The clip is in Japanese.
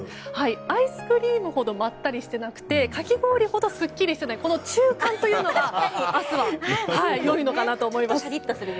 アイスクリームほどまったりしていなくてかき氷ほどすっきりしていないこの中間というのが明日は良いのかなと思います。